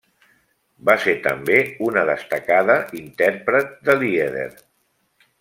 Va ser també una destacada intèrpret de lieder.